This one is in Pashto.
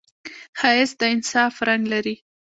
ښایست د انصاف رنګ لري